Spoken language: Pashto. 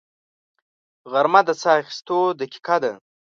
غرمه د ساه اخیستو دقیقه ده